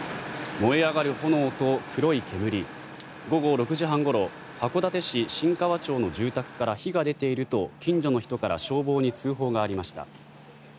午後６時半ごろ函館市新川町の住宅から火が出ていると近所の人から消防に通報がありました。